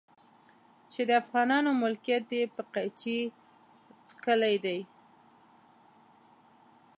چې د افغانانو ملکيت دی په قيچي څکلي دي.